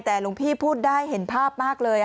แต่หลวงพี่พูดได้เห็นภาพมากเลย